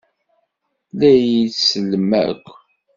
La iyi-tsellem akk?